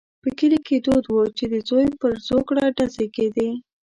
په کلي کې دود وو چې د زوی پر زوکړه ډزې کېدې.